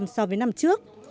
so với năm trước